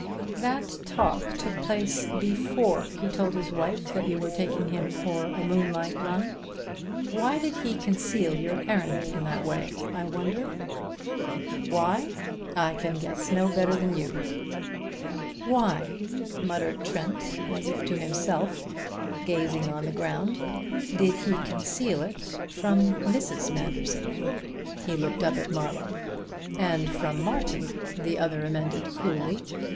"That talk took place before he told his wife that you were taking him for a moonlight run. Why did he conceal your errand in that way, I wonder." The young man made a gesture of helplessness. "Why? I can guess no better than you." "Why," muttered Trent as if to himself, gazing on the ground, "did he conceal it from Mrs. Manderson?" He looked up at Marlowe. "And from Martin," the other amended coolly.